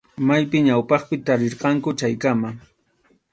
Maypim ñawpaqpi tarirqanku chaykama.